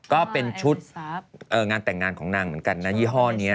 ก็เป็นชุดงานแต่งงานของนางเหมือนกันนะยี่ห้อนี้